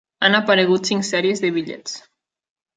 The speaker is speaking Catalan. Han aparegut cinc sèries de bitllets.